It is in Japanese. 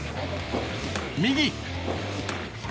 右！